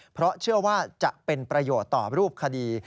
เพราะเชื่อว่าจะเป็นประโยชน์ต่อรูปคดี